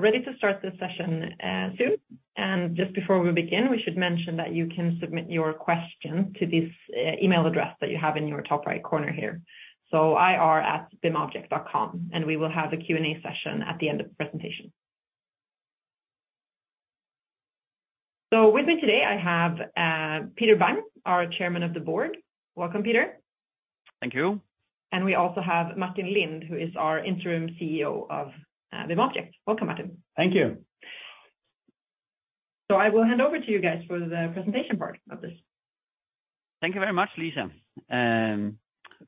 Ready to start this session soon. Just before we begin, we should mention that you can submit your question to this email address that you have in your top right corner here. ir@bimobject.com, and we will have a Q&A session at the end of the presentation. With me today, I have Peter Bang, our Chairman of the Board. Welcome, Peter. Thank you. We also have Martin Lindh, who is our interim CEO of BIMobject. Welcome, Martin. Thank you. I will hand over to you guys for the presentation part of this. Thank you very much, Lisa.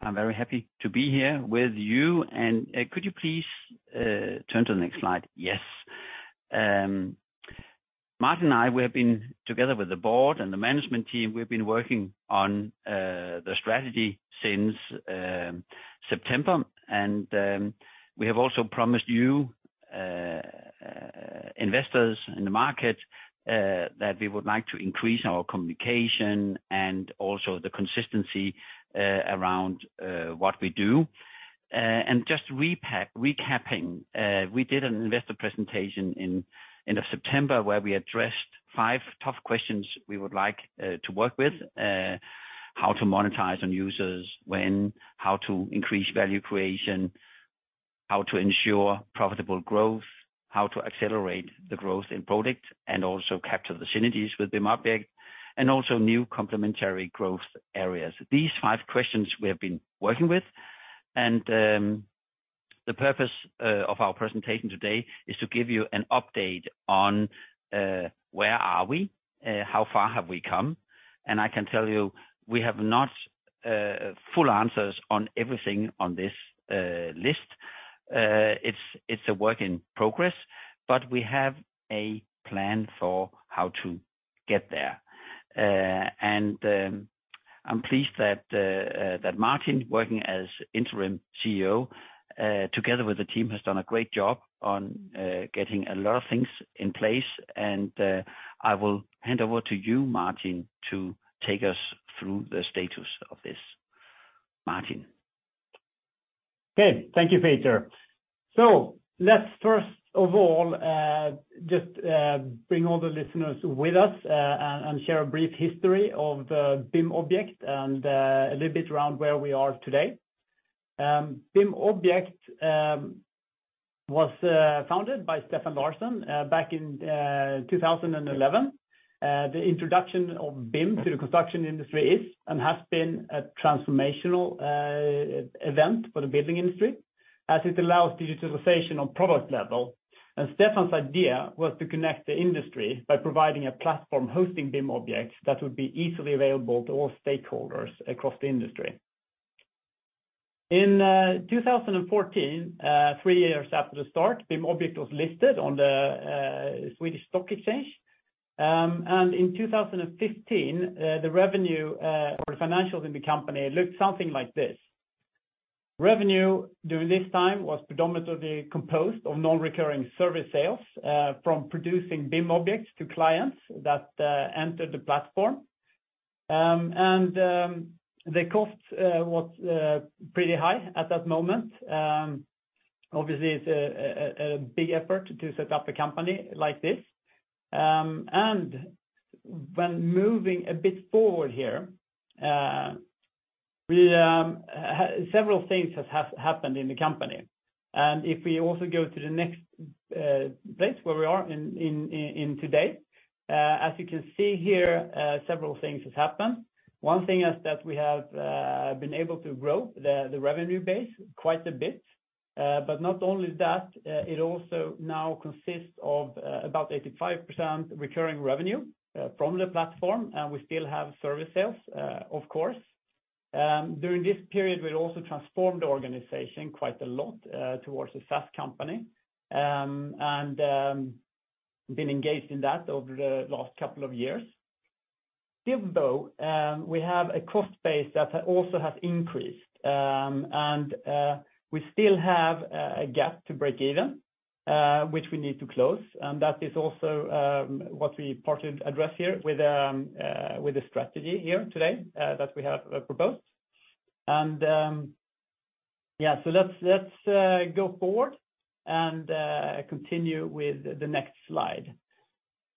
I'm very happy to be here with you. Could you please turn to the next slide? Yes. Martin and I, we have been together with the board and the management team, we've been working on the strategy since September. We have also promised you investors in the market that we would like to increase our communication and also the consistency around what we do. Just recapping, we did an investor presentation in end of September, where we addressed five tough questions we would like to work with, how to monetize on users, when, how to increase value creation, how to ensure profitable growth, how to accelerate the growth in product, and also capture the synergies with BIMobject, and also new complementary growth areas. These five questions we have been working with. The purpose of our presentation today is to give you an update on where are we, how far have we come. I can tell you, we have not full answers on everything on this list. It's, it's a work in progress, but we have a plan for how to get there. I'm pleased that Martin, working as interim CEO, together with the team, has done a great job on getting a lot of things in place. I will hand over to you, Martin, to take us through the status of this. Martin. Thank you, Peter. Let's first of all, just bring all the listeners with us and share a brief history of the BIMobject and a little bit around where we are today. BIMobject was founded by Stefan Larsson back in 2011. The introduction of BIM to the construction industry is and has been a transformational event for the building industry, as it allows digitalization on product level. Stefan's idea was to connect the industry by providing a platform hosting BIM objects that would be easily available to all stakeholders across the industry. In 2014, three years after the start, BIMobject was listed on the Swedish Stock Exchange. In 2015, the revenue, or the financials in the company looked something like this. Revenue during this time was predominantly composed of non-recurring service sales, from producing BIM objects to clients that entered the platform. The cost was pretty high at that moment. Obviously, it's a big effort to set up a company like this. When moving a bit forward here, we, several things has happened in the company. If we also go to the next place where we are in today, as you can see here, several things has happened. One thing is that we have been able to grow the revenue base quite a bit. Not only that, it also now consists of about 85% recurring revenue from the platform, and we still have service sales, of course. During this period, we also transformed the organization quite a lot towards a SaaS company, and been engaged in that over the last couple of years. Still though, we have a cost base that also has increased, and we still have a gap to break even, which we need to close. That is also what we partly address here with the strategy here today that we have proposed. Yeah, so let's go forward and continue with the next slide.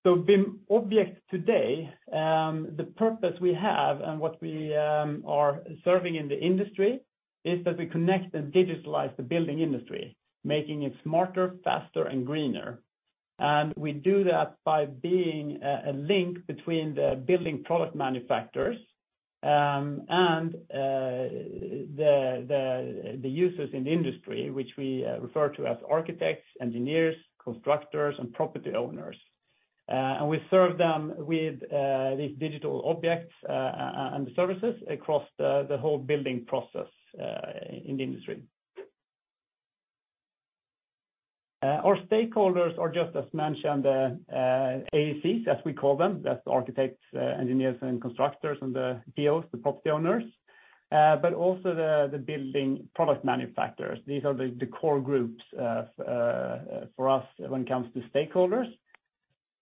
BIMobject today, the purpose we have and what we are serving in the industry, is that we connect and digitalize the building industry, making it smarter, faster, and greener. We do that by being a link between the Building Product Manufacturers and the users in the industry, which we refer to as architects, engineers, constructors, and Property Owners. We serve them with these digital objects and the services across the whole building process in the industry. Our stakeholders are just as mentioned, AEC, as we call them. That's architects, engineers and constructors, and the PO, the Property Owners, but also the Building Product Manufacturers. These are the core groups for us when it comes to stakeholders.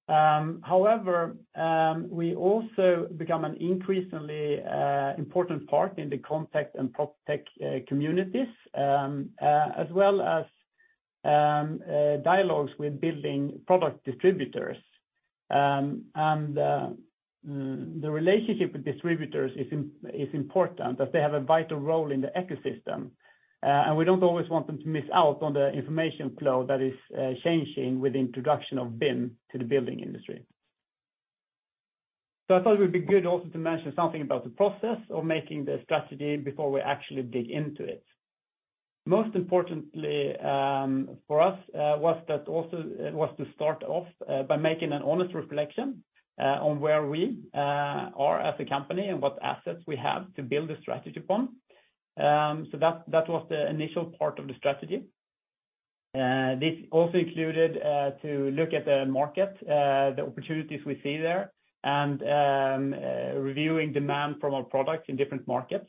However, we also become an increasingly important part in the ConTech and PropTech communities as well as dialogues with building product distributors. The relationship with distributors is important as they have a vital role in the ecosystem. We don't always want them to miss out on the information flow that is changing with the introduction of BIM to the building industry. I thought it would be good also to mention something about the process of making the strategy before we actually dig into it. Most importantly, for us, was to start off by making an honest reflection on where we are as a company and what assets we have to build a strategy upon. That, that was the initial part of the strategy. This also included to look at the market, the opportunities we see there, and reviewing demand from our products in different markets.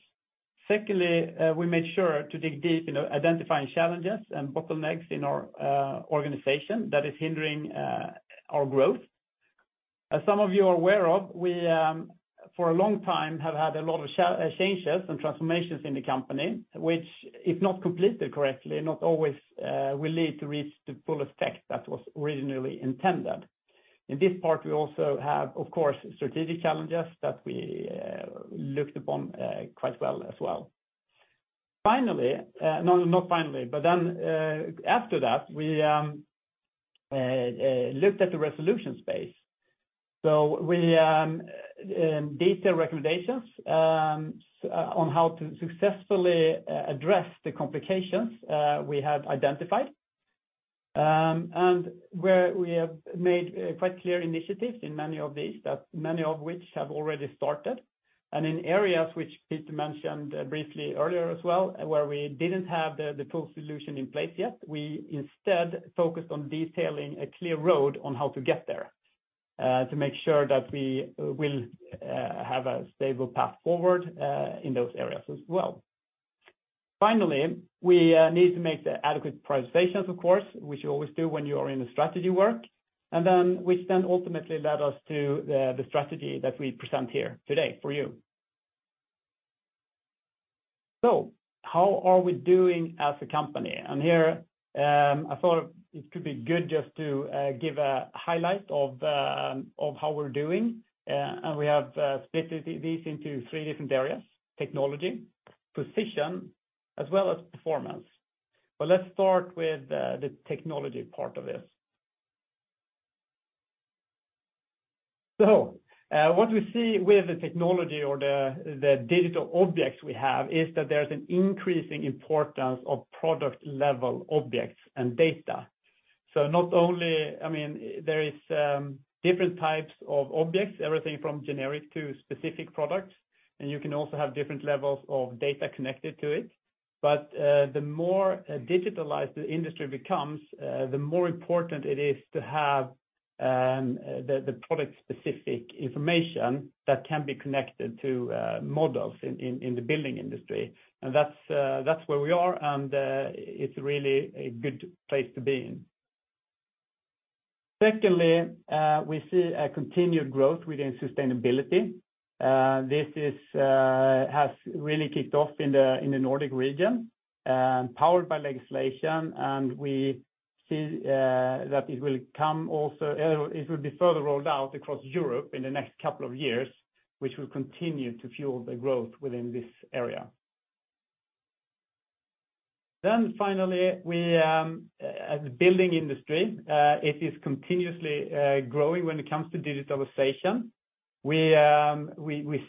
Secondly, we made sure to dig deep in identifying challenges and bottlenecks in our organization that is hindering our growth. As some of you are aware of, we, for a long time have had a lot of changes and transformations in the company, which, if not completed correctly, not always will lead to reach the fullest effect that was originally intended. In this part, we also have, of course, strategic challenges that we looked upon quite well as well. Finally, no, not finally, but then, after that, we looked at the resolution space. We detail recommendations on how to successfully address the complications we have identified, and where we have made quite clear initiatives in many of these, that many of which have already started. In areas which Peter mentioned briefly earlier as well, where we didn't have the full solution in place yet, we instead focused on detailing a clear road on how to get there, to make sure that we will have a stable path forward in those areas as well. Finally, we need to make the adequate prioritizations, of course, which you always do when you are in a strategy work. Which then ultimately led us to the strategy that we present here today for you. How are we doing as a company? Here, I thought it could be good just to give a highlight of how we're doing, and we have split this into three different areas, technology, position, as well as performance. Let's start with the technology part of this. What we see with the technology or the digital objects we have is that there's an increasing importance of product-level objects and data. Not only, I mean, there is different types of objects, everything from generic to specific products, and you can also have different levels of data connected to it. The more digitalized the industry becomes, the more important it is to have the product-specific information that can be connected to models in the building industry. That's where we are, and it's really a good place to be in. Secondly, we see a continued growth within sustainability. This is has really kicked off in the Nordic region, powered by legislation, and we see that it will come also, it will be further rolled out across Europe in the next couple of years, which will continue to fuel the growth within this area. Finally, we, as a building industry, it is continuously growing when it comes to digitalization. We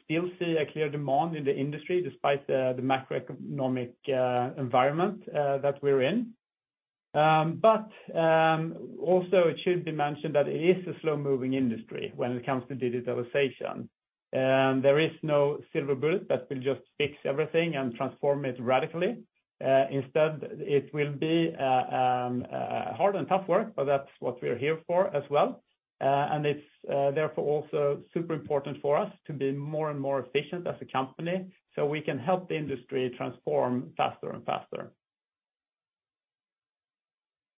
still see a clear demand in the industry despite the macroeconomic environment that we're in. Also it should be mentioned that it is a slow-moving industry when it comes to digitalization. There is no silver bullet that will just fix everything and transform it radically. Instead, it will be hard and tough work, but that's what we're here for as well. And it's therefore, also super important for us to be more and more efficient as a company so we can help the industry transform faster and faster.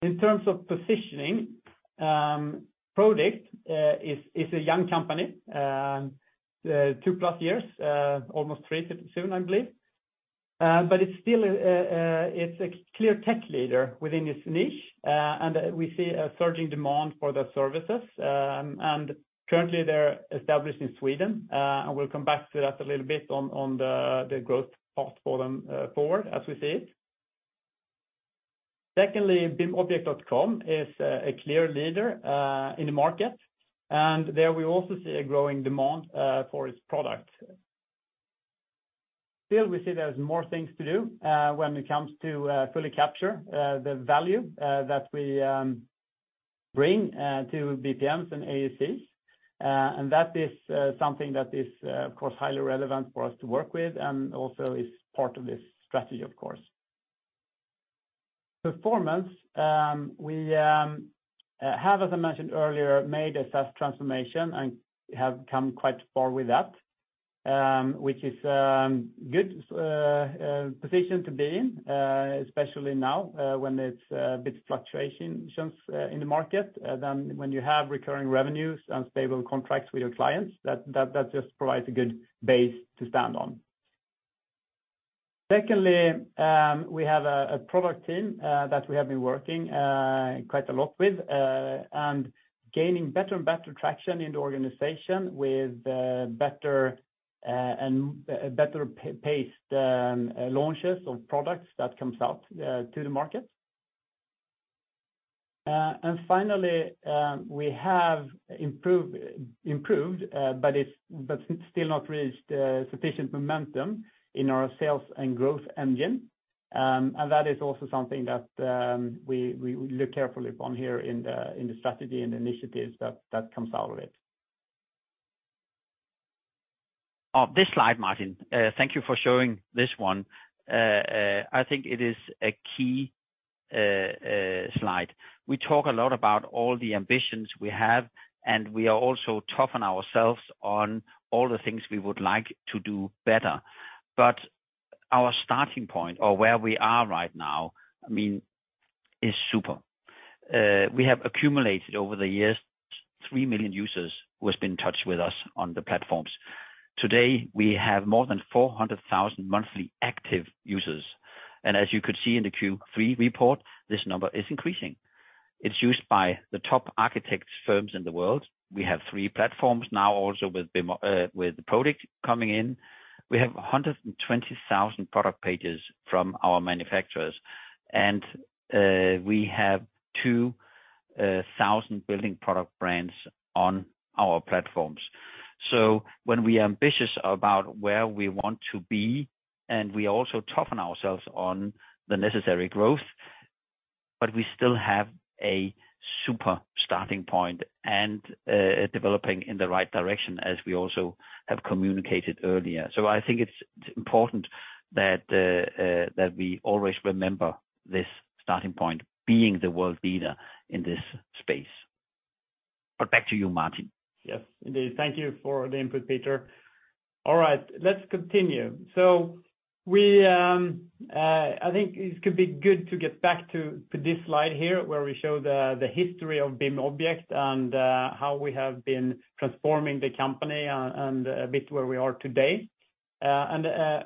In terms of positioning, Prodikt is a young company, 2+ years, almost three soon, I believe. It's still, it's a clear tech leader within its niche, and we see a surging demand for their services. Currently, they're established in Sweden, and we'll come back to that a little bit on the growth path for them, forward as we see it. Secondly, bimobject.com is a clear leader in the market, and there, we also see a growing demand for its product. Still, we see there's more things to do when it comes to fully capture the value that we bring to BPM and AEC. That is something that is, of course, highly relevant for us to work with and also is part of this strategy, of course. Performance, we have, as I mentioned earlier, made a SaaS transformation and have come quite far with that. Which is good position to be in, especially now, when it's bit fluctuations in the market, than when you have recurring revenues and stable contracts with your clients that just provides a good base to stand on. Secondly, we have a product team that we have been working quite a lot with, and gaining better and better traction in the organization with better and better paced launches of products that comes out to the market. Finally, we have improved, but still not reached sufficient momentum in our sales and growth engine. That is also something that we look carefully upon here in the, in the strategy and initiatives that comes out of it. This slide, Martin, thank you for showing this one. I think it is a key slide. We talk a lot about all the ambitions we have, and we are also tough on ourselves on all the things we would like to do better. Our starting point or where we are right now, I mean, is super. We have accumulated over the years, three million users who has been in touch with us on the platforms. Today, we have more than 400,000 monthly active users. As you could see in the Q3 report, this number is increasing. It's used by the top architects firms in the world. We have three platforms now also with Prodikt coming in. We have 120,000 product pages from our manufacturers, and we have 2,000 building product brands on our platforms. When we are ambitious about where we want to be, and we also toughen ourselves on the necessary growth, but we still have a super starting point and developing in the right direction as we also have communicated earlier. I think it's important that we always remember this starting point being the world leader in this space. Back to you, Martin. Yes, indeed. Thank you for the input, Peter. All right, let's continue. We, I think it could be good to get back to this slide here where we show the history of BIMobject and how we have been transforming the company and a bit where we are today. A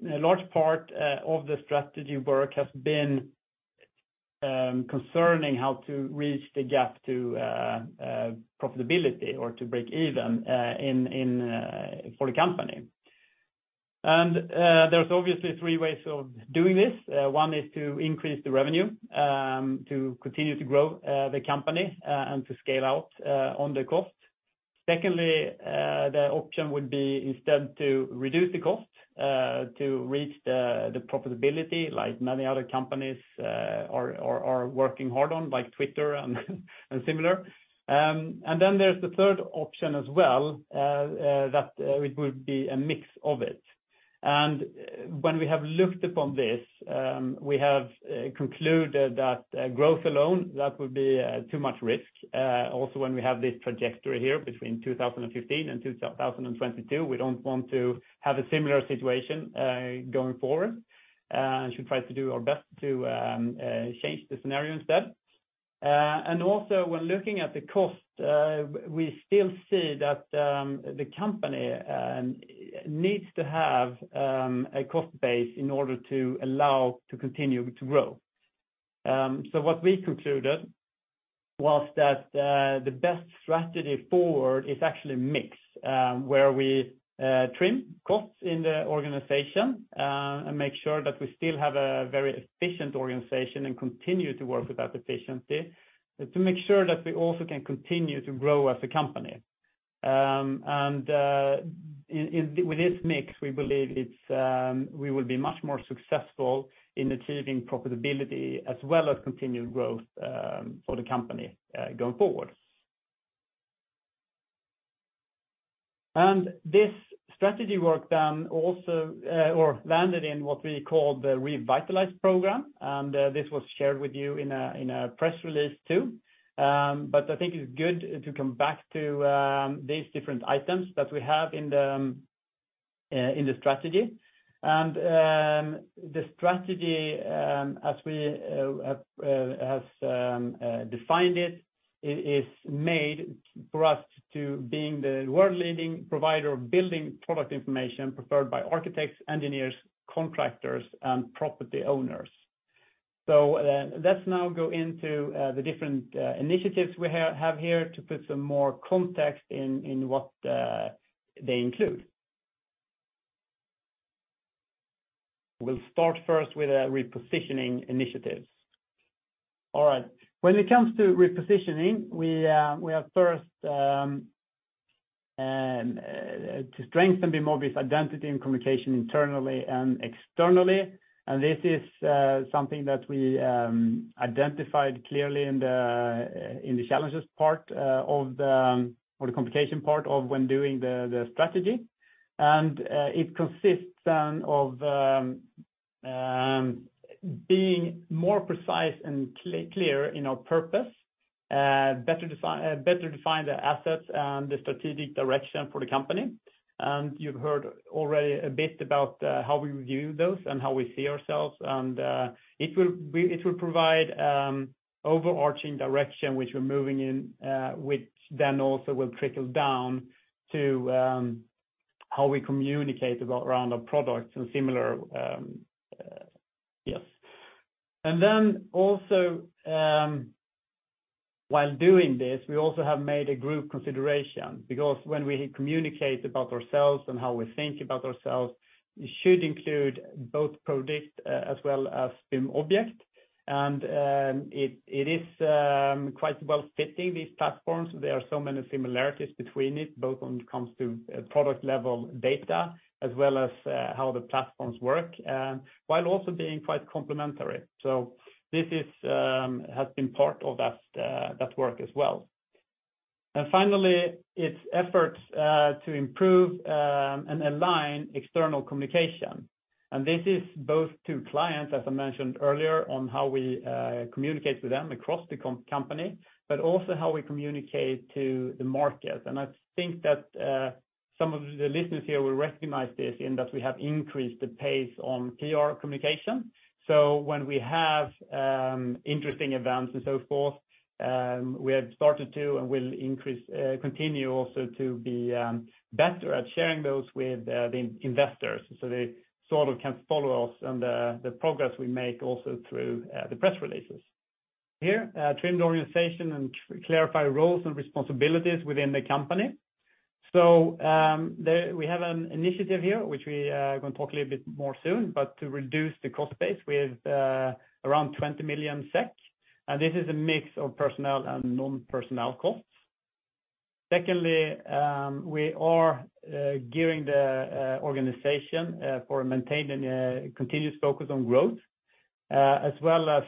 large part of the strategy work has been concerning how to reach the gap to profitability or to break even in for the company. There's obviously three ways of doing this. One is to increase the revenue, to continue to grow the company, and to scale out on the cost. Secondly, the option would be instead to reduce the cost to reach the profitability like many other companies are working hard on, like Twitter and similar. Then there's the third option as well that it would be a mix of it. When we have looked upon this, we have concluded that growth alone, that would be too much risk. Also, when we have this trajectory here between 2015 and 2022, we don't want to have a similar situation going forward. Should try to do our best to change the scenario instead. Also when looking at the cost, we still see that the company needs to have a cost base in order to allow to continue to grow. What we concluded was that the best strategy forward is actually mix, where we trim costs in the organization, and make sure that we still have a very efficient organization and continue to work with that efficiency to make sure that we also can continue to grow as a company. With this mix, we believe it's, we will be much more successful in achieving profitability as well as continued growth, for the company, going forward. This strategy work then also, or landed in what we call the Revitalize program, and this was shared with you in a, in a press release too. I think it's good to come back to, these different items that we have in the, in the strategy. The strategy, as we defined it, is made for us to being the world leading provider of building product information preferred by architects, engineers, contractors, and property owners. Let's now go into the different initiatives we have here to put some more context in what they include. We'll start first with a repositioning initiatives. All right. When it comes to repositioning, we have first to strengthen BIMobject's identity and communication internally and externally. This is something that we identified clearly in the challenges part or the communication part of when doing the strategy. It consists then of being more precise and clear in our purpose, better define the assets and the strategic direction for the company. You've heard already a bit about how we review those and how we see ourselves, and it will provide overarching direction which we're moving in, which then also will trickle down to how we communicate about round of products and similar, yes. Then also, while doing this, we also have made a group consideration because when we communicate about ourselves and how we think about ourselves, it should include both product as well as BIMobject. It is quite well fitting these platforms. There are so many similarities between it, both when it comes to product level data as well as how the platforms work, while also being quite complementary. This is has been part of that work as well. Finally, it's efforts to improve and align external communication. This is both to clients, as I mentioned earlier, on how we communicate with them across the company, but also how we communicate to the market. I think that some of the listeners here will recognize this in that we have increased the pace on PR communication. When we have interesting events and so forth, we have started to and will increase, continue also to be better at sharing those with the investors, so they sort of can follow us on the progress we make also through the press releases. Here, trimmed organization and clarify roles and responsibilities within the company. We have an initiative here, which we are gonna talk a little bit more soon, but to reduce the cost base with around 20 million SEK, and this is a mix of personnel and non-personnel costs. Secondly, we are gearing the organization for maintaining a continuous focus on growth as well as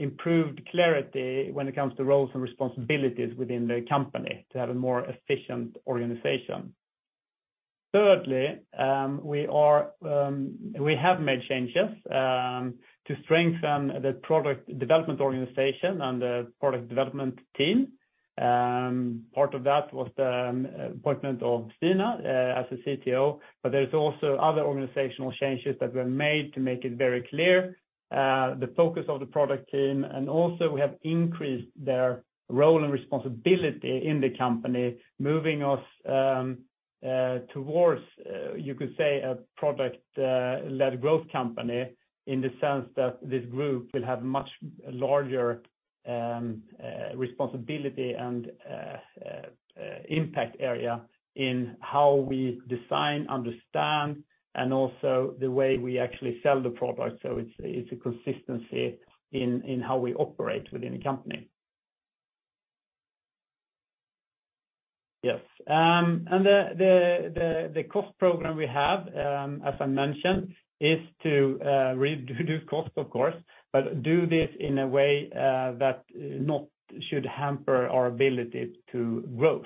improved clarity when it comes to roles and responsibilities within the company to have a more efficient organization. Thirdly, we are we have made changes to strengthen the product development organization and the product development team. Part of that was the appointment of Stina as a CTO, but there's also other organizational changes that were made to make it very clear the focus of the product team, and also we have increased their role and responsibility in the company, moving us towards you could say a product-led growth company in the sense that this group will have much larger responsibility and impact area in how we design, understand, and also the way we actually sell the product. It's a consistency in how we operate within the company. Yes. And the cost program we have, as I mentioned, is to reduce cost, of course, but do this in a way that not should hamper our ability to growth.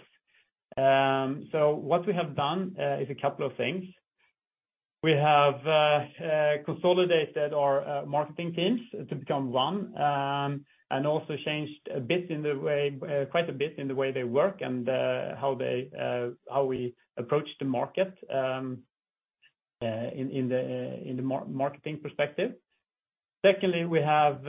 What we have done is a couple of things. We have consolidated our marketing teams to become one and also changed a bit in the way, quite a bit in the way they work and how they, how we approach the market in the marketing perspective. Secondly, we have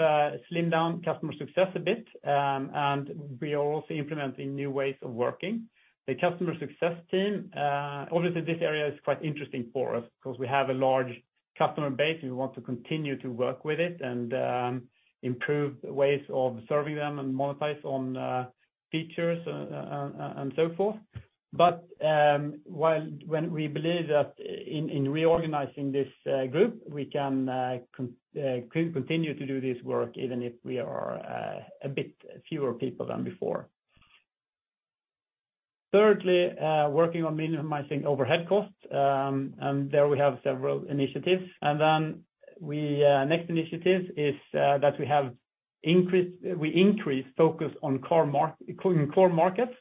slimmed down customer success a bit, and we are also implementing new ways of working. The customer success team, obviously this area is quite interesting for us 'cause we have a large customer base, and we want to continue to work with it and improve ways of serving them and monetize on features and so forth. While when we believe that in reorganizing this group, we can continue to do this work even if we are a bit fewer people than before. Thirdly, working on minimizing overhead costs, and there we have several initiatives. Then we next initiative is that we have increased, we increase focus on core including core markets,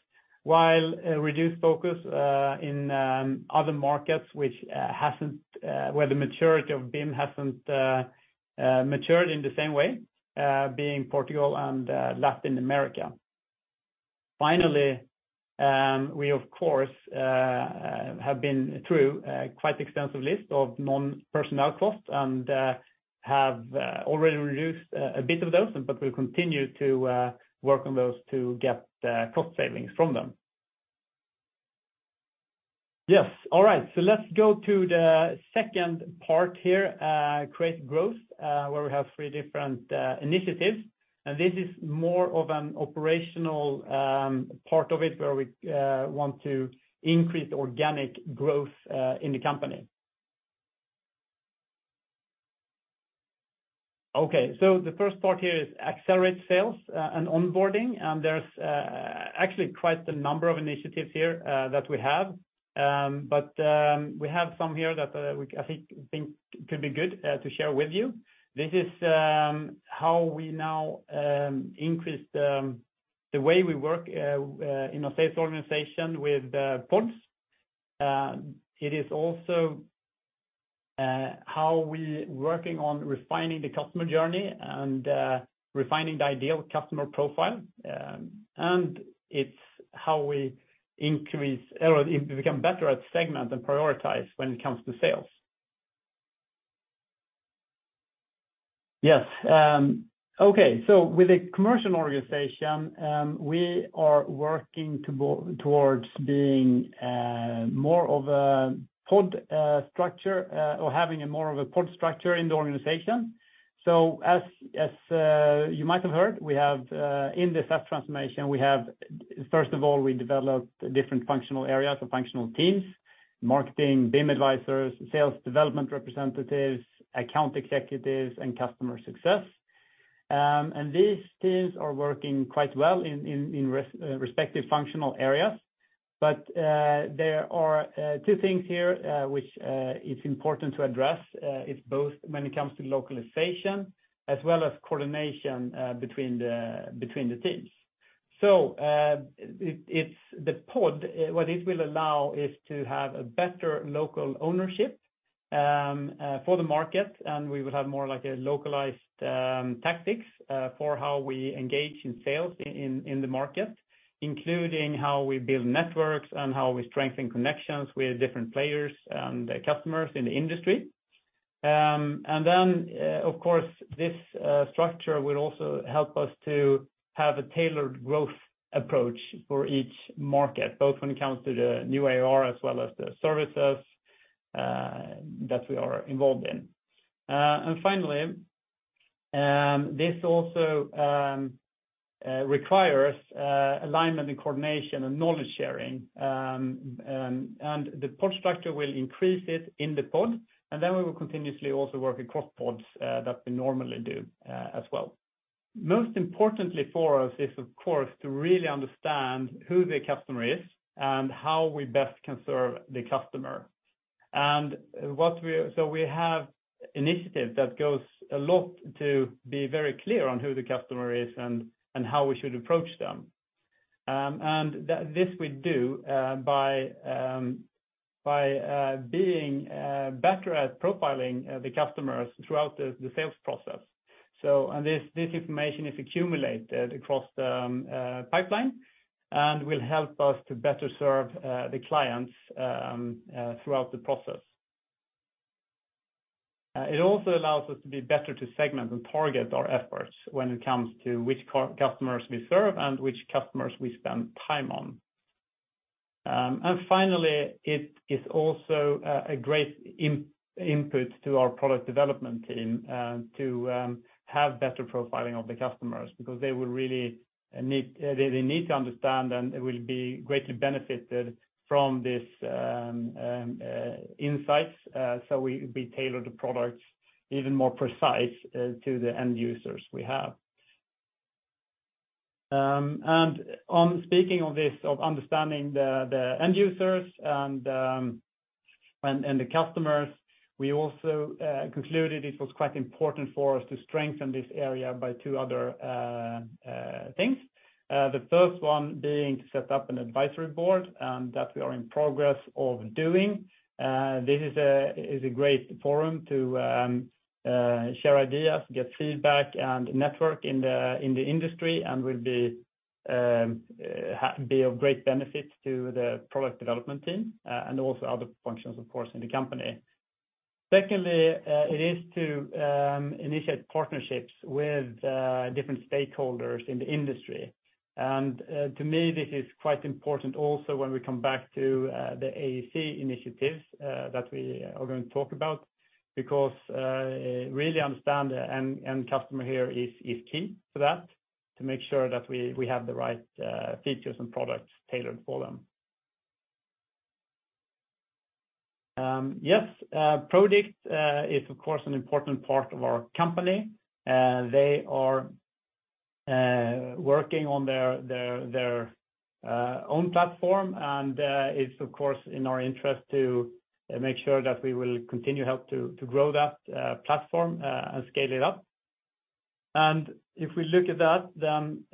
while reduce focus in other markets which hasn't where the maturity of BIM hasn't matured in the same way, being Portugal and Latin America. Finally, we of course have been through quite extensive list of non-personnel costs and have already reduced a bit of those, but we'll continue to work on those to get cost savings from them. Yes. All right. Let's go to the second part here, create growth, where we have three different initiatives, and this is more of an operational part of it where we want to increase organic growth in the company. Okay. The first part here is accelerate sales and onboarding, and there's actually quite a number of initiatives here that we have. But we have some here that we, I think could be good to share with you. This is how we now increase the way we work in a sales organization with pods. It is also how we working on refining the customer journey and refining the ideal customer profile, and it's how we increase or if we become better at segment and prioritize when it comes to sales. Yes. Okay. With a commercial organization, we are working towards being more of a pod structure or having more of a pod structure in the organization. As you might have heard, we have in the staff transformation, we have, first of all, we developed different functional areas or functional teams, marketing, BIM advisors, sales development representatives, account executives, and customer success. These teams are working quite well in respective functional areas. There are two things here which is important to address is both when it comes to localization as well as coordination between the teams. It's the pod, what it will allow is to have a better local ownership for the market, and we will have more like a localized tactics for how we engage in sales in the market, including how we build networks and how we strengthen connections with different players and the customers in the industry. Then, of course, this structure will also help us to have a tailored growth approach for each market, both when it comes to the new ARR as well as the services that we are involved in. Finally, this also requires alignment and coordination and knowledge sharing, and the pod structure will increase it in the pod. Then we will continuously also work across pods that we normally do as well. Most importantly for us is, of course, to really understand who the customer is and how we best can serve the customer. We have initiative that goes a lot to be very clear on who the customer is and how we should approach them. This we do by being better at profiling the customers throughout the sales process. This information is accumulated across the pipeline and will help us to better serve the clients throughout the process. It also allows us to be better to segment and target our efforts when it comes to which customers we serve and which customers we spend time on. Finally, it is also a great input to our product development team, to have better profiling of the customers because they will really need, they need to understand, and it will be greatly benefited from this insights. We tailor the products even more precise to the end users we have. On speaking of this, of understanding the end users and the customers, we also concluded it was quite important for us to strengthen this area by two other things. The first one being to set up an advisory board that we are in progress of doing. This is a great forum to share ideas, get feedback, and network in the industry, and will be of great benefit to the product development team, and also other functions, of course, in the company. Secondly, it is to initiate partnerships with different stakeholders in the industry. To me, this is quite important also when we come back to the AEC initiatives that we are going to talk about because really understand the end customer here is key to that, to make sure that we have the right features and products tailored for them. Yes, Prodikt is of course an important part of our company. They are working on their own platform, and it's of course in our interest to make sure that we will continue help to grow that platform and scale it up. If we look at that, then,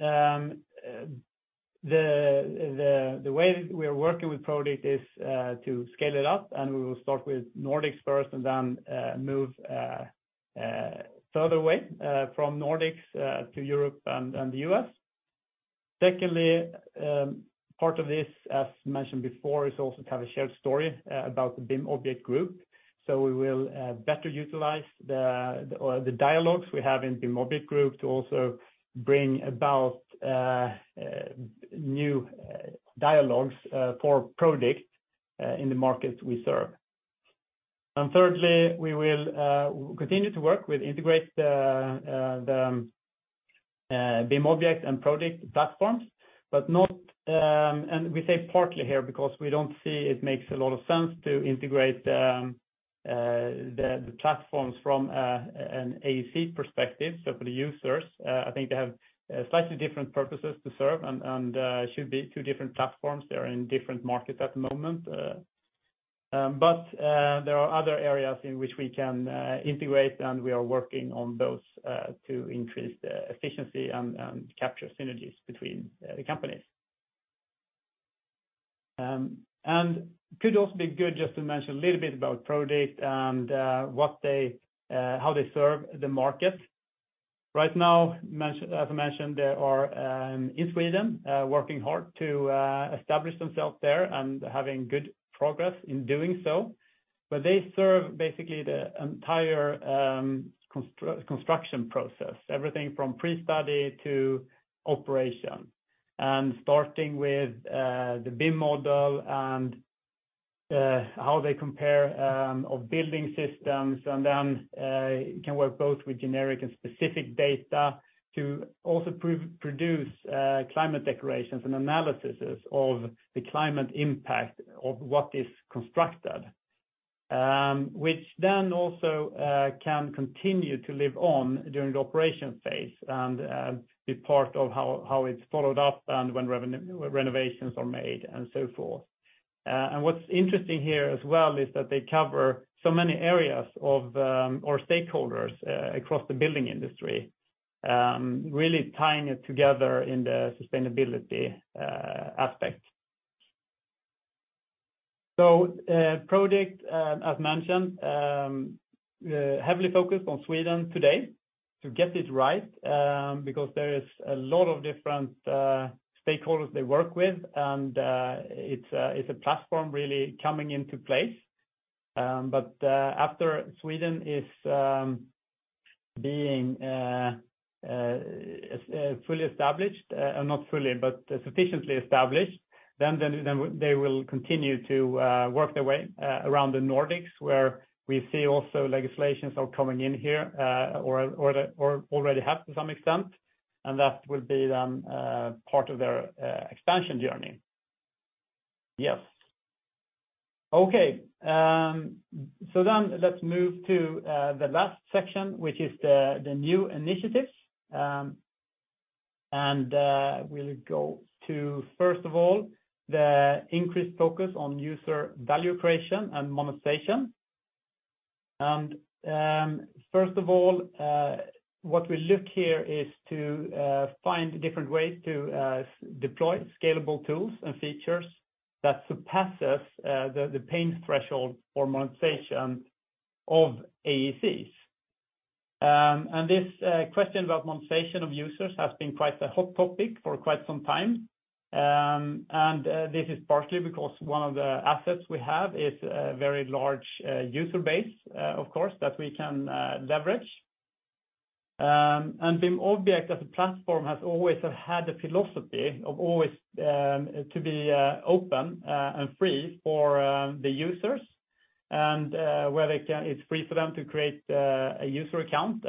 the way we are working with Prodikt is to scale it up, and we will start with Nordics first and then move further away from Nordics to Europe and the U.S. Secondly, part of this, as mentioned before, is also to have a shared story about the BIMobject Group. We will better utilize the, or the dialogues we have in BIMobject Group to also bring about new dialogues for Prodikt in the markets we serve. Thirdly, we will continue to work with integrate the BIMobject and Prodikt platforms, but not, and we say partly here because we don't see it makes a lot of sense to integrate the platforms from an AEC perspective. For the users, I think they have slightly different purposes to serve and should be two different platforms. They're in different markets at the moment, but there are other areas in which we can integrate, and we are working on those to increase the efficiency and capture synergies between the companies. Could also be good just to mention a little bit about Prodikt and what they how they serve the market. Right now, as I mentioned, they are in Sweden, working hard to establish themselves there and having good progress in doing so. They serve basically the entire construction process, everything from pre-study to operation, and starting with the BIM model and how they compare of building systems, and then can work both with generic and specific data to also produce climate declarations and analyses of the climate impact of what is constructed. Which also can continue to live on during the operation phase and be part of how it's followed up and when renovations are made, and so forth. What's interesting here as well is that they cover so many areas of or stakeholders across the building industry, really tying it together in the sustainability aspect. Prodikt as mentioned heavily focused on Sweden today to get this right because there is a lot of different stakeholders they work with, and it's a platform really coming into place. After Sweden is being fully established, not fully, but sufficiently established, then they will continue to work their way around the Nordics, where we see also legislations are coming in here or already have to some extent, and that will be then part of their expansion journey. Yes. Okay, let's move to the last section, which is the new initiatives. We'll go to, first of all, the increased focus on user value creation and monetization. First of all, what we look here is to find different ways to deploy scalable tools and features that surpasses the pain threshold for monetization of AECs. This question about monetization of users has been quite a hot topic for quite some time. This is partly because one of the assets we have is a very large user base, of course, that we can leverage. BIMobject as a platform has always had a philosophy of always to be open and free for the users, and where it's free for them to create a user account.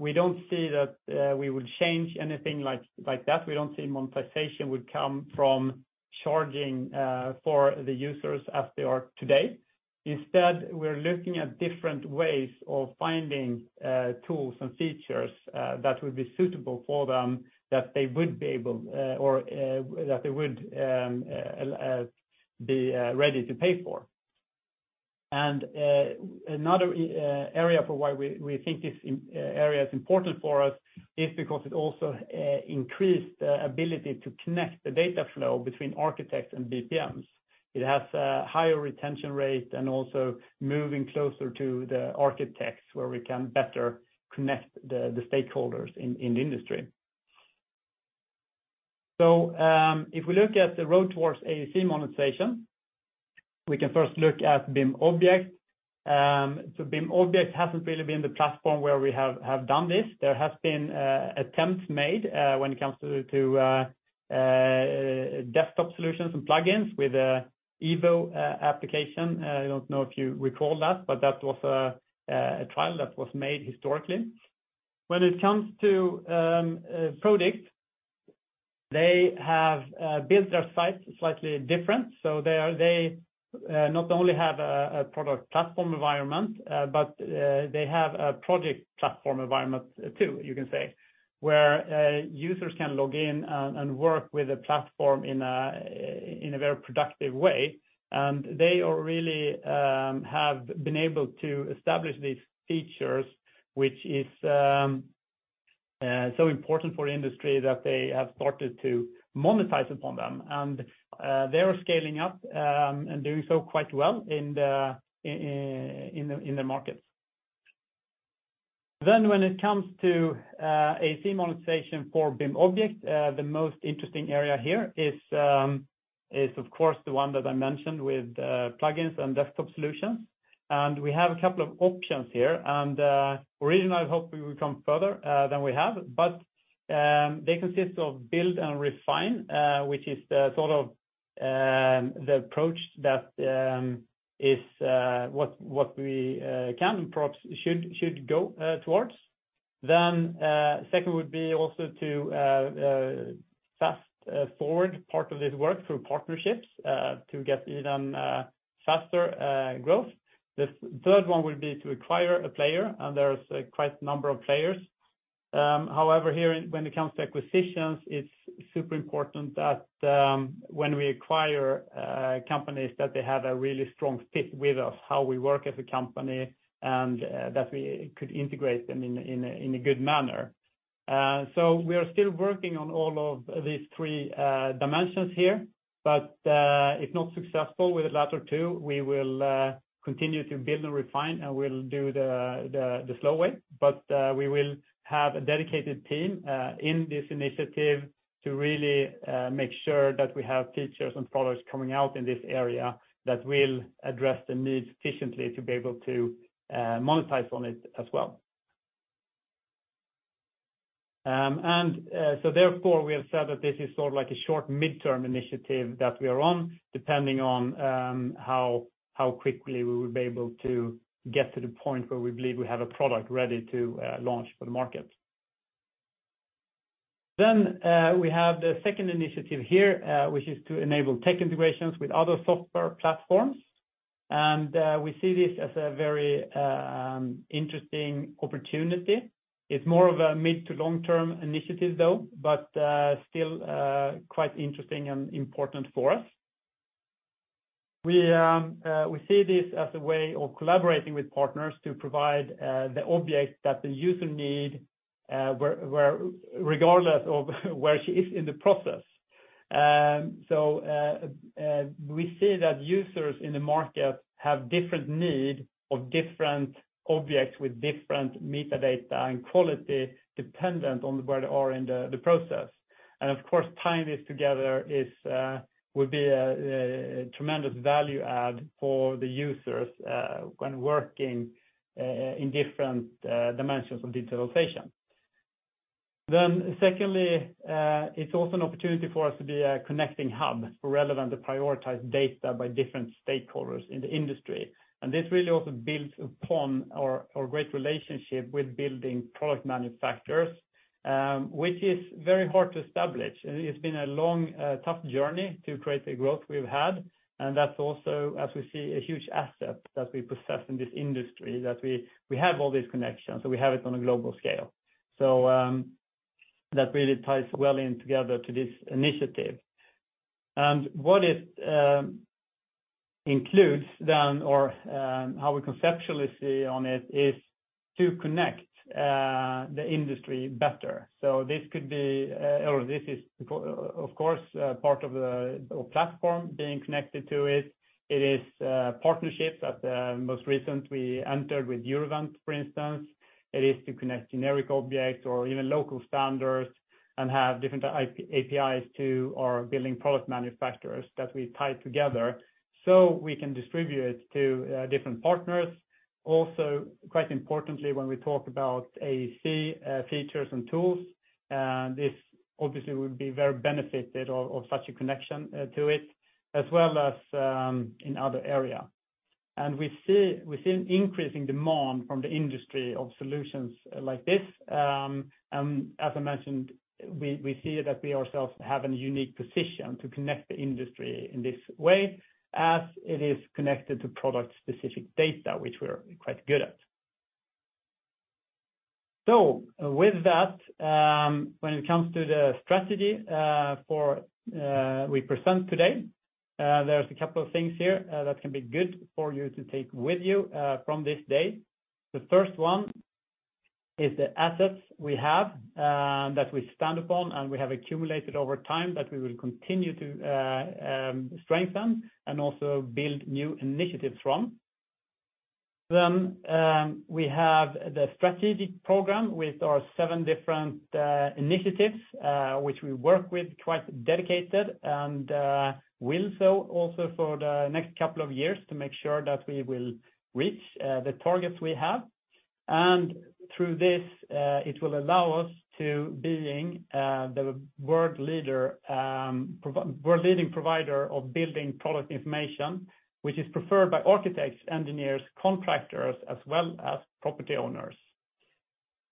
We don't see that we would change anything like that. We don't see monetization would come from charging for the users as they are today. Instead, we're looking at different ways of finding tools and features that would be suitable for them that they would be able or that they would be ready to pay for. Another area for why we think this area is important for us is because it also increased the ability to connect the data flow between architects and BPMs. It has a higher retention rate and also moving closer to the architects, where we can better connect the stakeholders in the industry. If we look at the road towards AEC monetization, we can first look at BIMobject. BIMobject hasn't really been the platform where we have done this. There has been attempts made when it comes to desktop solutions and plugins with an EVO application. I don't know if you recall that, but that was a trial that was made historically. When it comes to Prodikt, they have built their site slightly different. They not only have a product platform environment, but they have a project platform environment too, you can say, where users can log in and work with a platform in a very productive way. They are really have been able to establish these features, which is so important for industry that they have started to monetize upon them. They are scaling up and doing so quite well in their markets. When it comes to AEC monetization for BIMobject, the most interesting area here is of course the one that I mentioned with plugins and desktop solutions. We have a couple of options here. Originally, I hope we will come further than we have, but they consist of build and refine, which is the sort of the approach that is what we can perhaps should go towards. Second would be also to fast forward part of this work through partnerships to get even faster growth. The third one will be to acquire a player, and there's quite a number of players. However, here when it comes to acquisitions, it's super important that when we acquire companies that they have a really strong fit with us, how we work as a company, and that we could integrate them in a good manner. We are still working on all of these three dimensions here, but if not successful with the latter two, we will continue to build and refine, and we'll do the slow way. We will have a dedicated team in this initiative to really make sure that we have features and products coming out in this area that will address the needs efficiently to be able to monetize on it as well. So therefore, we have said that this is sort of like a short mid-term initiative that we are on, depending on how quickly we will be able to get to the point where we believe we have a product ready to launch for the market. We have the second initiative here, which is to enable tech integrations with other software platforms. We see this as a very interesting opportunity. It's more of a mid- to long-term initiative though, but still quite interesting and important for us. We see this as a way of collaborating with partners to provide the objects that the user need, where, regardless of where she is in the process. We see that users in the market have different need of different objects with different metadata and quality dependent on where they are in the process. Tying this together would be a tremendous value add for the users when working in different dimensions of digitalization. Secondly, it's also an opportunity for us to be a connecting hub for relevant to prioritize data by different stakeholders in the industry. This really also builds upon our great relationship with building product manufacturers, which is very hard to establish. It's been a long, tough journey to create the growth we've had. That's also, as we see, a huge asset that we possess in this industry, that we have all these connections, so we have it on a global scale. That really ties well in together to this initiative. What it includes then or how we conceptually see on it is to connect the industry better. This could be or this is of course part of the our platform being connected to it. It is partnerships at the most recent we entered with Eurovent, for instance. It is to connect generic objects or even local standards and have different APIs to our Building Product Manufacturers that we tie together so we can distribute to different partners. Also, quite importantly, when we talk about AEC features and tools, this obviously would be very benefited of such a connection to it, as well as in other area. We see an increasing demand from the industry of solutions like this. As I mentioned, we see that we ourselves have a unique position to connect the industry in this way as it is connected to product-specific data, which we're quite good at. With that, when it comes to the strategy for, we present today, there's a couple of things here that can be good for you to take with you from this day. The first one is the assets we have that we stand upon, and we have accumulated over time that we will continue to strengthen and also build new initiatives from. We have the strategic program with our seven different initiatives, which we work with quite dedicated and will so also for the next couple of years to make sure that we will reach the targets we have. Through this, it will allow us to being the world leader, world leading provider of building product information, which is preferred by architects, engineers, contractors, as well as property owners.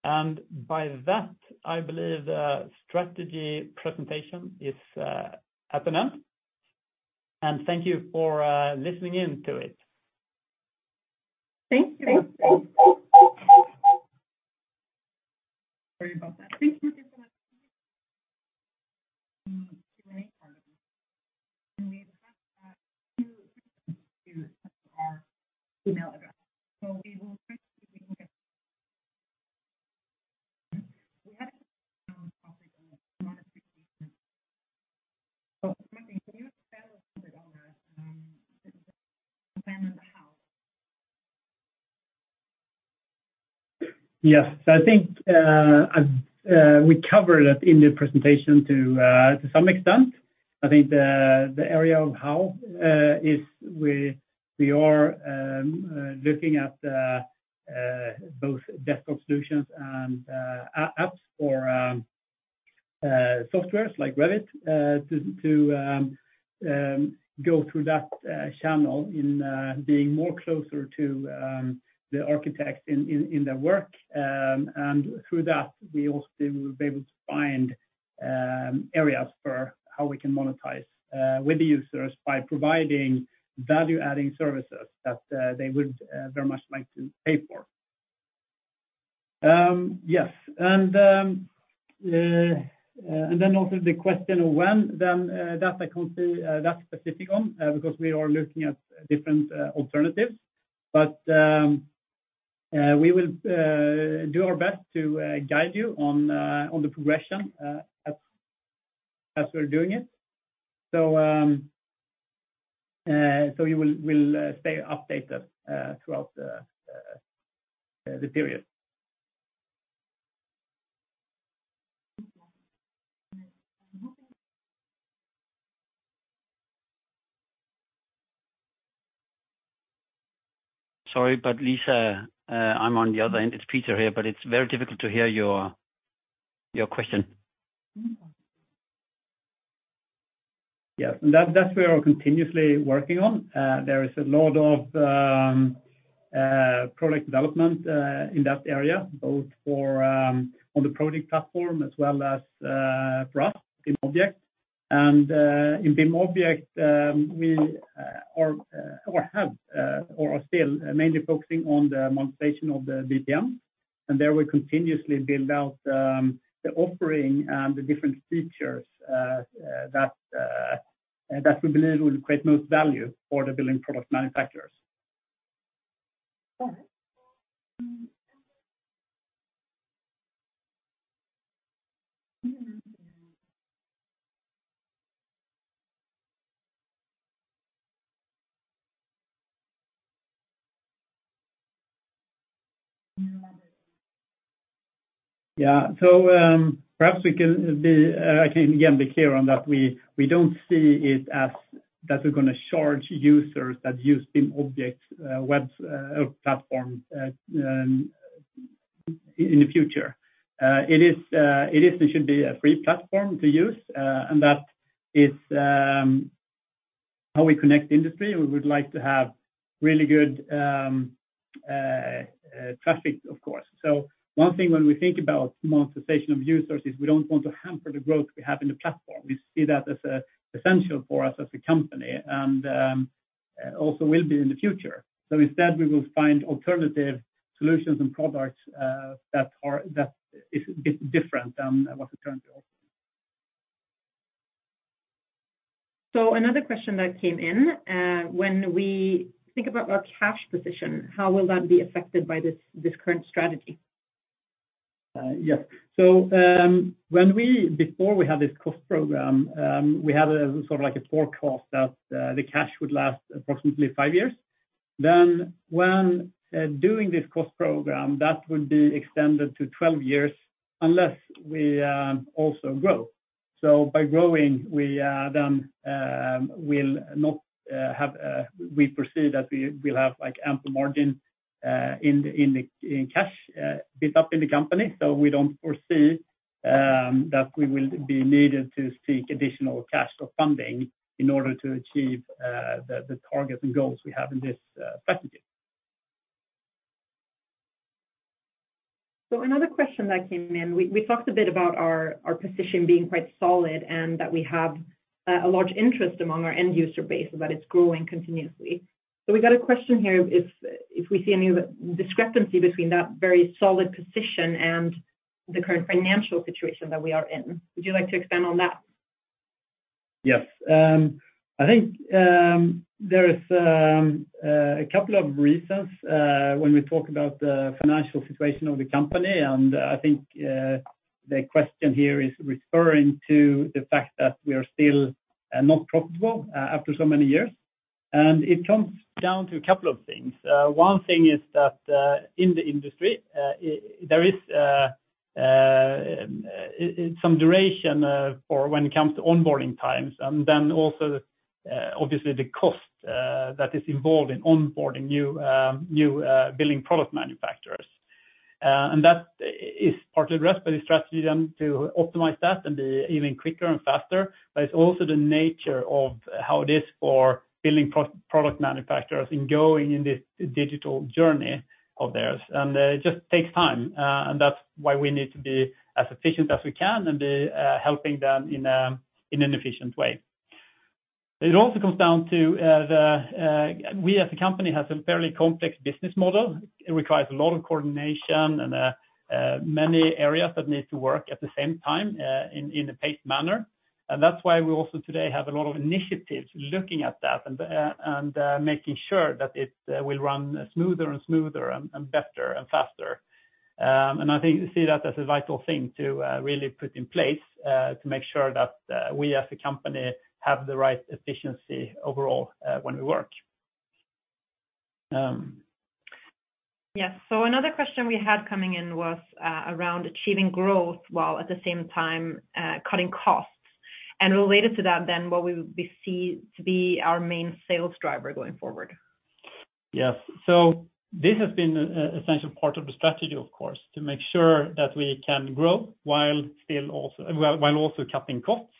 By that, I believe the strategy presentation is at an end. Thank you for listening in to it. Thank you. Sorry about that. Thank you, Martin, for that. Q&A part of this. We have had two participants who have email address. We had a couple of comments also on monetization. Martin, can you expand a little bit on that, expand on the how? Yes. I think, as we covered it in the presentation to some extent, I think the area of how is we are looking at both desktop solutions and apps for softwares like Revit, to go through that channel in being more closer to the architects in their work. Through that, we also will be able to find areas for how we can monetize with the users by providing value-adding services that they would very much like to pay for. Yes. Then also the question of when, then, that I can't say that specific on, because we are looking at different alternatives. We will do our best to guide you on the progression as we're doing it. So you will stay updated throughout the period. Sorry, Lisa, I'm on the other end. It's Peter here, but it's very difficult to hear your question. Yeah. That's where we're continuously working on. There is a lot of product development in that area, both for on the product platform as well as for us in BIMobject. In BIMobject, we are or have or are still mainly focusing on the monetization of the BPM. There, we continuously build out the offering and the different features that we believe will create most value for the building product manufacturers. Yeah. Perhaps we can be I can again be clear on that we don't see it as that we're gonna charge users that use BIMobject web or platform in the future. It is and should be a free platform to use, that is how we connect industry. We would like to have really good traffic, of course. One thing when we think about monetization of users is we don't want to hamper the growth we have in the platform. We see that as essential for us as a company and also will be in the future. Instead, we will find alternative solutions and products that is different than what we currently offer. Another question that came in, when we think about our cash position, how will that be affected by this current strategy? Yes. When before we had this cost program, we had a sort of like a forecast that the cash would last approximately five years. When doing this cost program, that would be extended to 12 years unless we also grow. By growing, we, then, will not, have. We foresee that we will have, like, ample margin, in the cash, built up in the company. We don't foresee that we will be needed to seek additional cash or funding in order to achieve the targets and goals we have in this strategy. Another question that came in, we talked a bit about our position being quite solid and that we have a large interest among our end user base, that it's growing continuously. We got a question here, if we see any discrepancy between that very solid position and the current financial situation that we are in. Would you like to expand on that? Yes. I think there is a couple of reasons when we talk about the financial situation of the company. I think the question here is referring to the fact that we are still not profitable after so many years. It comes down to a couple of things. One thing is that in the industry, there is some duration for when it comes to onboarding times, and then also obviously the cost that is involved in onboarding new new Building Product Manufacturers. That is partly the rest of the strategy then to optimize that and be even quicker and faster. But it's also the nature of how it is for Building Product Manufacturers in going in this digital journey of theirs. It just takes time. That's why we need to be as efficient as we can and helping them in a, in an efficient way. It also comes down to the we as a company have a fairly complex business model. It requires a lot of coordination and many areas that need to work at the same time, in a paced manner. That's why we also today have a lot of initiatives looking at that and and making sure that it will run smoother and smoother and better and faster. I think we see that as a vital thing to really put in place to make sure that we as a company have the right efficiency overall when we work. Yes. Another question we had coming in was around achieving growth while at the same time cutting costs. Related to that then, what we would be see to be our main sales driver going forward. Yes. This has been an essential part of the strategy, of course, to make sure that we can grow while also cutting costs.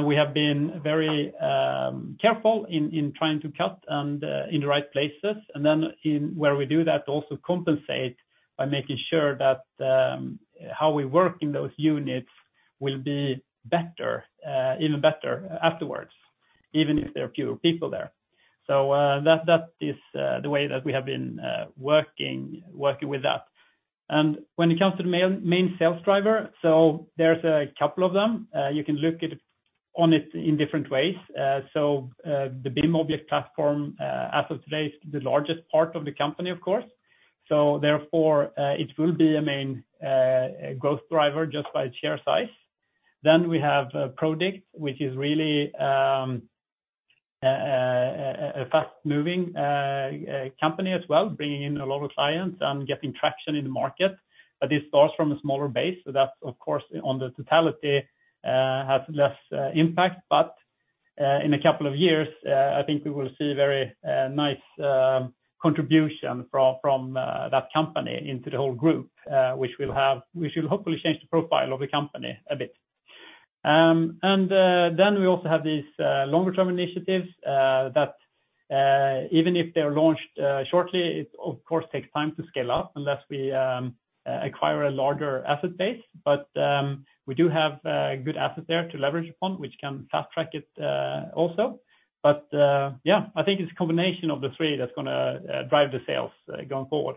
We have been very careful in trying to cut and in the right places. In where we do that, also compensate by making sure that how we work in those units will be better, even better afterwards, even if there are fewer people there. That is the way that we have been working with that. When it comes to the main sales driver, there's a couple of them. You can look at on it in different ways. The BIMobject platform, as of today, is the largest part of the company, of course. Therefore, it will be a main growth driver just by its sheer size. We have Prodikt, which is really a fast-moving company as well, bringing in a lot of clients and getting traction in the market. It starts from a smaller base, so that of course, on the totality, has less impact. In a couple of years, I think we will see very nice contribution from that company into the whole group, which will hopefully change the profile of the company a bit. We also have these longer-term initiatives that even if they're launched shortly, it of course takes time to scale up unless we acquire a larger asset base. We do have, good asset there to leverage upon, which can fast-track it, also. Yeah, I think it's a combination of the three that's gonna, drive the sales, going forward.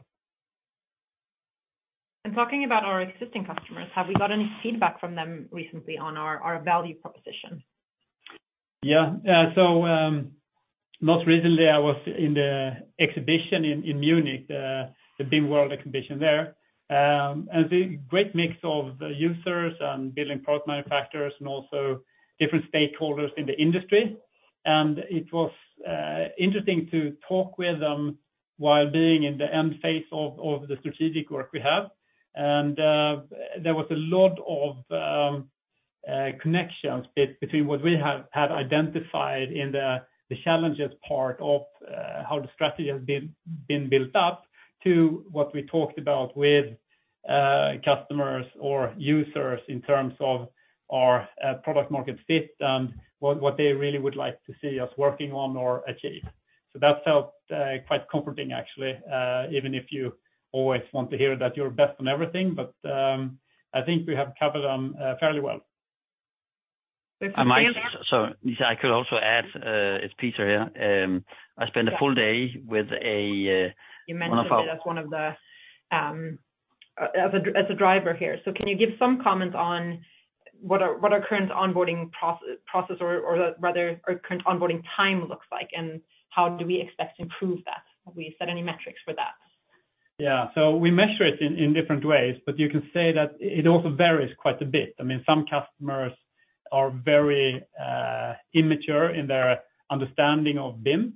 Talking about our existing customers, have we got any feedback from them recently on our value proposition? Yeah. Most recently, I was in the exhibition in Munich, the BIM World exhibition there. A great mix of users and Building Product Manufacturers and also different stakeholders in the industry. It was interesting to talk with them while being in the end phase of the strategic work we have. There was a lot of connections between what we have identified in the challenges part of how the strategy has been built up to what we talked about with customers or users in terms of our product market fit and what they really would like to see us working on or achieve. That felt quite comforting, actually, even if you always want to hear that you're best on everything. I think we have covered them, fairly well. With the sales- I could also add, it's Peter here. I spent a full day with a, one of our- You mentioned it as one of the, as a driver here. Can you give some comments on what our current onboarding process or rather our current onboarding time looks like, and how do we expect to improve that? Have we set any metrics for that? Yeah. We measure it in different ways, but you can say that it also varies quite a bit. I mean, some customers are very immature in their understanding of BIM,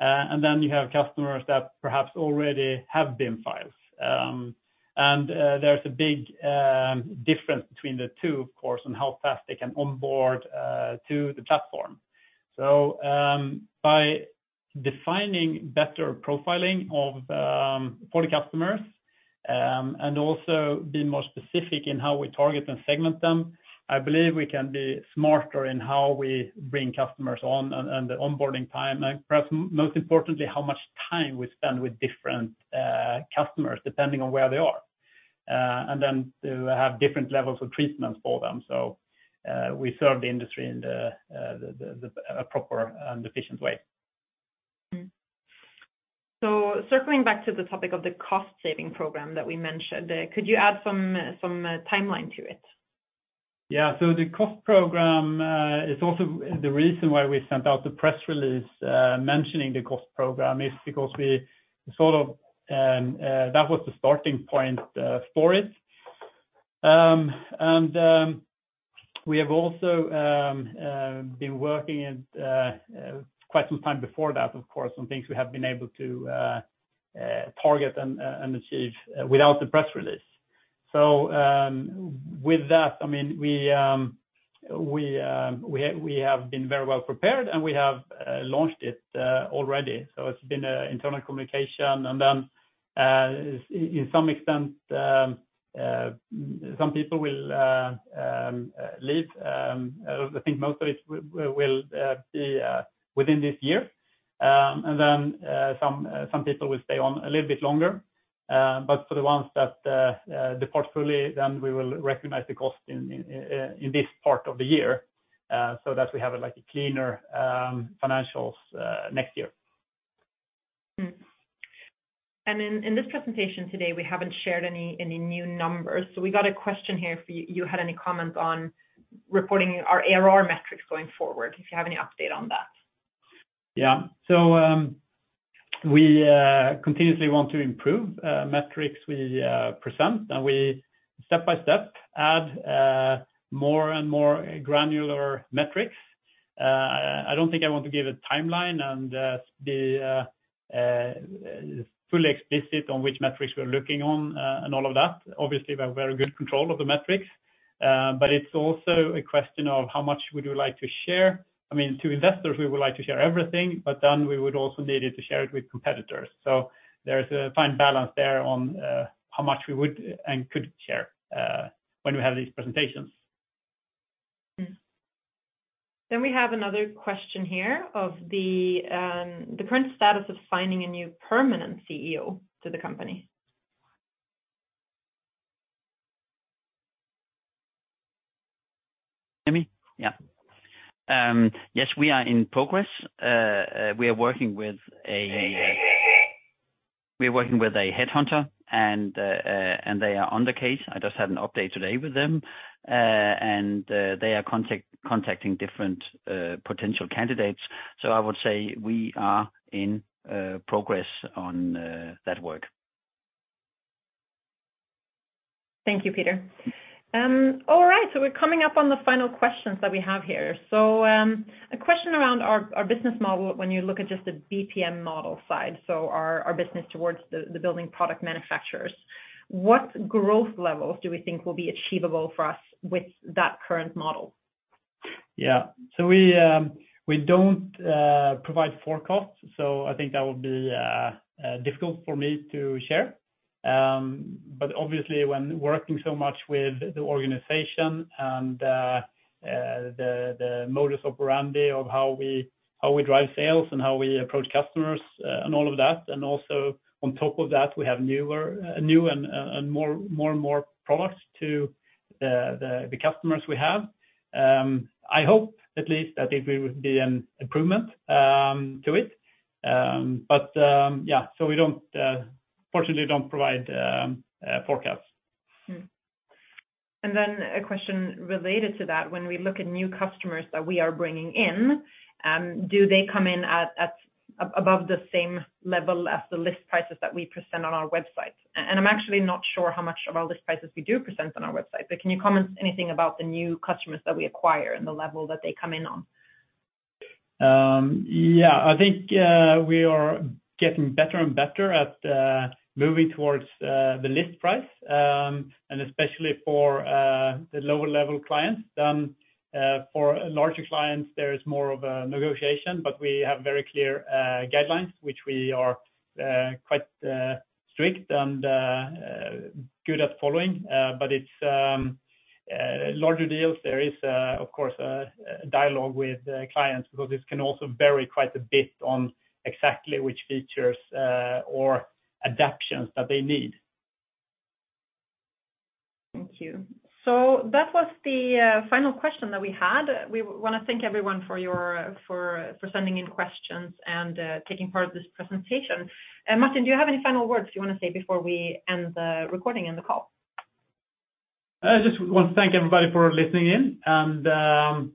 and then you have customers that perhaps already have BIM files. And there's a big difference between the two, of course, on how fast they can onboard to the platform. By defining better profiling of for the customers, and also being more specific in how we target and segment them, I believe we can be smarter in how we bring customers on and the onboarding time, and perhaps most importantly, how much time we spend with different customers, depending on where they are. To have different levels of treatment for them. We serve the industry in a proper and efficient way. Circling back to the topic of the cost-saving program that we mentioned, could you add some timeline to it? Yeah. The cost program is also the reason why we sent out the press release, mentioning the cost program is because we sort of, that was the starting point for it. We have also been working quite some time before that, of course, on things we have been able to target and achieve without the press release. With that, I mean, we have been very well prepared, and we have launched it already. It's been internal communication. In some extent, some people will leave. I think most of it will be within this year. Some people will stay on a little bit longer. For the ones that depart fully, then we will recognize the cost in this part of the year, so that we have like a cleaner, financials, next year. In this presentation today, we haven't shared any new numbers. We got a question here, if you had any comments on reporting our ARR metrics going forward, if you have any update on that. Yeah. We continuously want to improve metrics we present, and we step by step add more and more granular metrics. I don't think I want to give a timeline and be fully explicit on which metrics we're looking on, and all of that. Obviously, we have very good control of the metrics, but it's also a question of how much would you like to share. I mean, to investors, we would like to share everything, but then we would also need to share it with competitors. There's a fine balance there on how much we would and could share when we have these presentations. We have another question here of the current status of finding a new permanent CEO to the company. Me? Yeah. Yes, we are in progress. We are working with a headhunter and they are on the case. I just had an update today with them and they are contacting different potential candidates. I would say we are in progress on that work. Thank you, Peter. All right, we're coming up on the final questions that we have here. A question around our business model when you look at just the BPM model side, our business towards the building product manufacturers. What growth levels do we think will be achievable for us with that current model? Yeah. We don't provide forecasts. I think that would be difficult for me to share. Obviously, when working so much with the organization and the modus operandi of how we drive sales and how we approach customers, and all of that, and also on top of that, we have new and more and more products to the customers we have. I hope at least that it will be an improvement to it. Yeah. We don't, fortunately, don't provide forecasts. A question related to that, when we look at new customers that we are bringing in, do they come in at above the same level as the list prices that we present on our website? I'm actually not sure how much of our list prices we do present on our website, but can you comment anything about the new customers that we acquire and the level that they come in on? Yeah. I think we are getting better and better at moving towards the list price, especially for the lower-level clients. For larger clients, there is more of a negotiation, but we have very clear guidelines, which we are quite strict and good at following. It's larger deals. There is, of course, dialogue with clients because this can also vary quite a bit on exactly which features or adaptations that they need. Thank you. That was the final question that we had. We wanna thank everyone for sending in questions and taking part of this presentation. Martin, do you have any final words you want to say before we end the recording and the call? I just want to thank everybody for listening in, and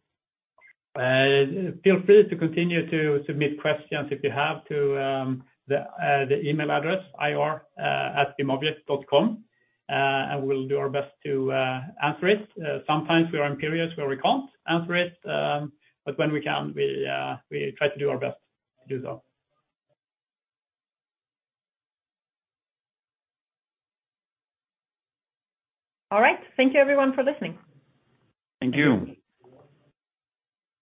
feel free to continue to submit questions if you have to, the email address, ir@bimobject.com, and we'll do our best to answer it. Sometimes we are in periods where we can't answer it, but when we can, we try to do our best to do so. All right. Thank you everyone for listening. Thank you.